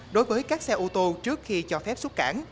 đối với các xe ô tô trước khi cho phép xuất cảng